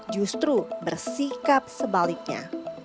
justru bersikap sebaliknya